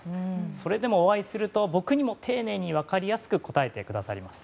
それでもお会いすると僕にも丁寧に分かりやすく答えてくださいます。